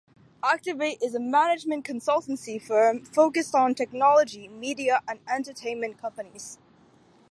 Activate is a management consultancy firm focused on technology, media and entertainment companies.